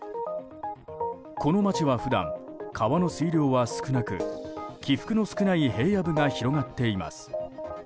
この町は普段、川の水量は少なく起伏の少ない平野部が広がっています。